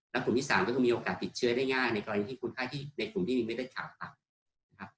และกลุ่มที่๓ก็มีโอกาสติดเชื้อได้ง่ายในกรณีที่คุณไข้ในกลุ่มที่มีไม่เลือดขาวต่ำ